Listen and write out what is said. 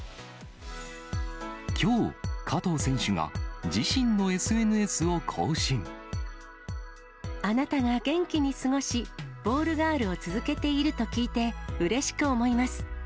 きょう、あなたが元気に過ごし、ボールガールを続けていると聞いて、うれしく思います。